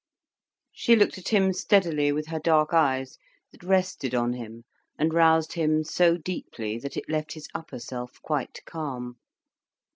She looked at him steadily with her dark eyes, that rested on him and roused him so deeply, that it left his upper self quite calm.